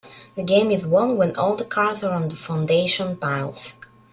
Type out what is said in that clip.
The game is won when all the cards are on the foundation piles.